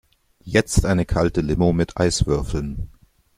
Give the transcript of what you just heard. Jetzt eine kalte Limo mit Eiswürfeln!